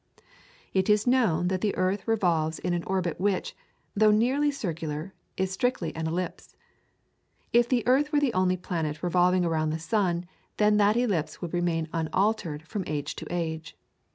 It is known that the earth revolves in an orbit which, though nearly circular, is strictly an ellipse. If the earth were the only planet revolving around the sun then that ellipse would remain unaltered from age to age.